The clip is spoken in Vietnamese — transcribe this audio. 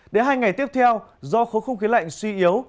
đến hai ngày tiếp theo do khối không khí lạnh suy yếu